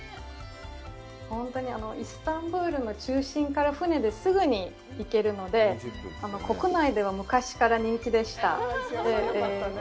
本当にイスタンブールの中心から船ですぐに行けるので、国内では昔から人気でした。